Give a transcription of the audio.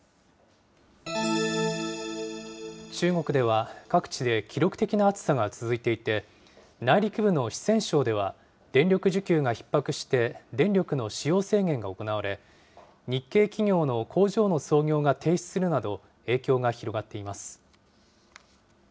中国では、各地で記録的な暑さが続いていて、内陸部の四川省では、電力需給がひっ迫して、電力の使用制限が行われ、日系企業の工場の操業が停止するなど、影響が広がっています。